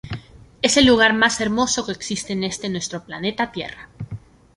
Es el lugar mas hermoso que existe en este nuestro planeta tierra.